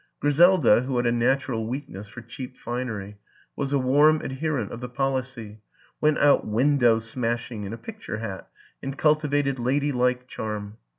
Griselda, who had a natural weakness for cheap finery, was a warm adherent of the policy, went out window smashing in a picture hat and cultivated ladylike charm.